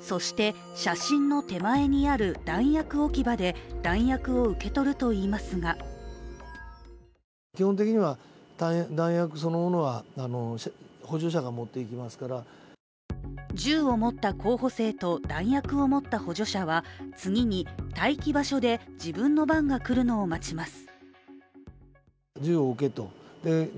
そして、写真の手前にある弾薬置き場で弾薬を受け取るといいますが銃を持った候補生と弾薬を持った補助者は次に待機場所で自分の番が来るのを待ちます。